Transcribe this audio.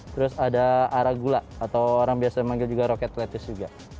terus ada arak gula atau orang biasa memanggil juga roket lettuce juga